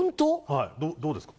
はいどうですか？